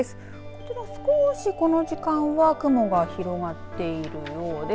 こちら少し、この時間は雲が広がっているようです。